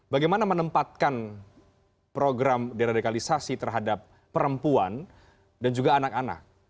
bagaimana menempatkan program deradikalisasi terhadap perempuan dan juga anak anak